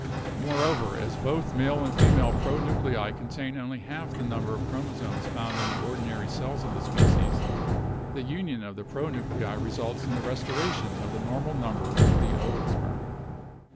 Moreover, as both male and female pronu clei contain only half the number of chromosomes found in the ordinary cells of the species, the union of the pro nuclei results in the restoration of the normal number to the oosperm.